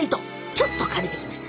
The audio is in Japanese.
ちょっと借りてきました。